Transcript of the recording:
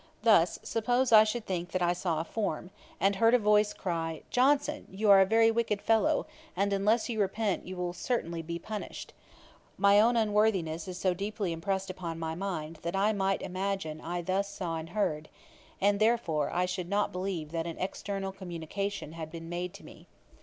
Thus, suppose I should think that I saw a form, and heard a voice cry "Johnson, you are a very wicked fellow, and unless you repent you will certainly be punished;" my own unworthiness is so deeply impressed upon my mind, that I might imagine I thus saw and heard, and therefore I should not believe that an external communication had been made to me.